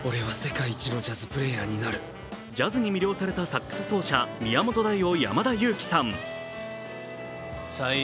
ジャズに魅了されたサックス奏者・宮本大を山田裕貴さん。